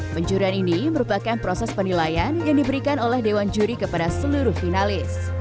pencurian ini merupakan proses penilaian yang diberikan oleh dewan juri kepada seluruh finalis